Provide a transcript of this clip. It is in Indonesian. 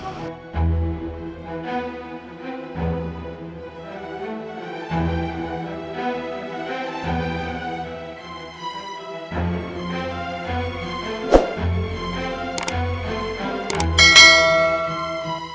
aku mau jalan